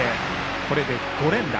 これで５連打。